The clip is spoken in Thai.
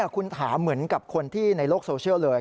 คุณถามเหมือนกับคนที่ในโลกโซเชียลเลย